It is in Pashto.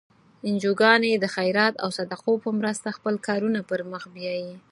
انجوګانې د خیرات او صدقو په مرستو خپل کارونه پر مخ بیایي.